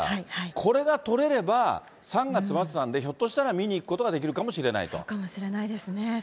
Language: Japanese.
これがとれれば、３月末なんで、ひょっとしたら見に行くことがでそうかもしれないですね。